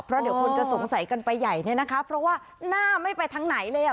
เพราะเดี๋ยวคุณจะสงสัยกันไปใหย้นะคะเพราะว่าน่าไม่ไปทางไหนเลย